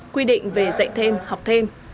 quy định về dạy thêm học thêm